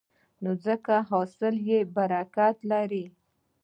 نو ځکه حاصل یې برکت لري.